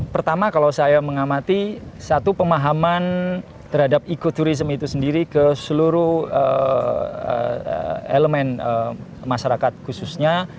pertama kalau saya mengamati satu pemahaman terhadap ekoturism itu sendiri ke seluruh elemen masyarakat khususnya